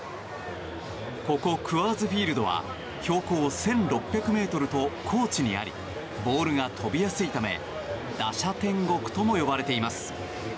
ここ、クアーズ・フィールドは標高１６００ｍと高地にありボールが飛びやすいため打者天国とも呼ばれています。